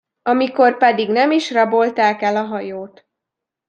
Amikor pedig nem is rabolták el a hajót.